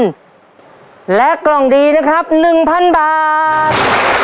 หนึ่งพันและกล่องดีนะครับหนึ่งพันบาท